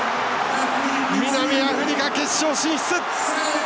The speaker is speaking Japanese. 南アフリカ、決勝進出！